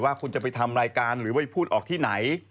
ว่าคุณจะไปทำรายการหรือไปพูดออกที่ไหน